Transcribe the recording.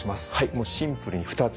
もうシンプルに２つ。